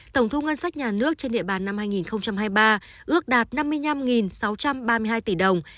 tổng thu ngân sách nhà nước trên địa bàn năm hai nghìn hai mươi ba ước đạt năm mươi năm sáu trăm ba mươi hai tỷ đồng